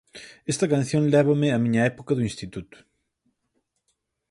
Esta canción lévame á miña época do instituto.